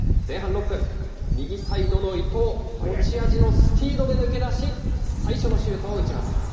前半６分、右サイドの伊東、持ち味のスピードで抜け出し、最初のシュートを打ちます。